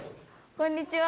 こんにちは。